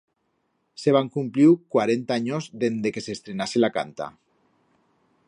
S'heban cumpliu cuarenta anyos dende que s'estrenase la canta.